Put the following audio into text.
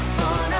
gak usah nanya